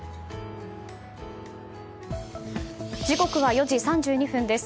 時刻は４時３２分です。